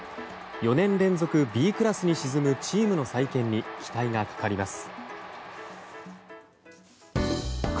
４年連続Ｂクラスに沈むチームの再建に期待がかかります。